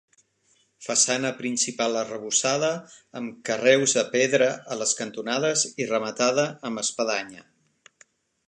Façana principal arrebossada, amb carreus de pedra a les cantonades i rematada amb espadanya.